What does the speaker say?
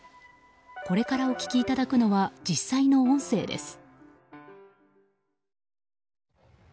これからお聞きいただくのは実際の音声です。